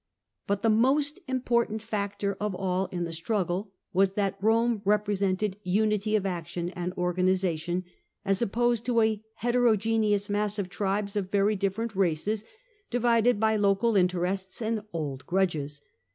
Put the most important factor of all in the struggle waa that Rome represented unity of action and organisation, as opposed to a heterogeneous mass of tribes of very different races, divided by local interests and old grudges.